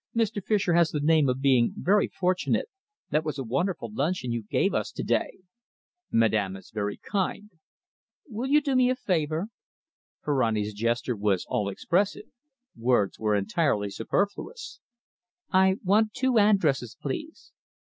"Mr. Fischer has the name of being very fortunate.... That was a wonderful luncheon you gave us to day." "Madame is very kind." "Will you do me a favour?" Ferrani's gesture was all expressive. Words were entirely superfluous. "I want two addresses, please.